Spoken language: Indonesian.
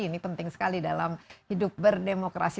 ini penting sekali dalam hidup berdemokrasi